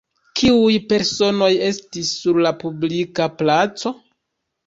Kiuj personoj estis sur la publika placo?